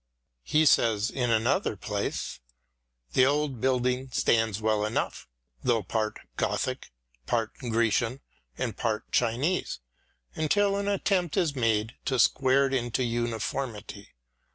58 EDMUND BURKE He says in another place : The old building stands well enough, though part Gothic, part Grecian, and part Chinese, until an attempt is made to square it into uniformity.